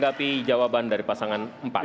bagaimana untuk menanggapi jawaban dari pasangan empat